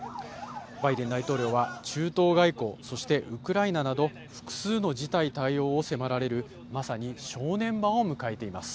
バイデン大統領は中東外交、そしてウクライナなど複数の事態対応を迫られる、まさに正念場を迎えています。